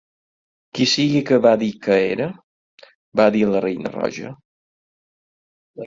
"Qui sigui que va dir que era?" va dir la Reina Roja.